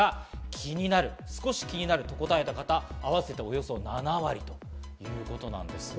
気になる、少し気になると答えた方、あわせておよそ７割です。